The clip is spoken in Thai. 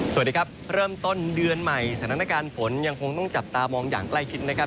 สวัสดีครับเริ่มต้นเดือนใหม่สถานการณ์ฝนยังคงต้องจับตามองอย่างใกล้ชิดนะครับ